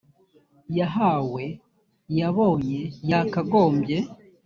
yahawe yabonye yakagombye